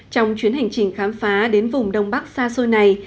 trong chuyến hành trình khám phá đến vùng đông bắc xa xôi này